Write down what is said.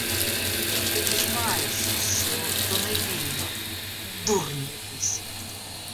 Ти не знаєш, що то не вільно, дурню якийсь!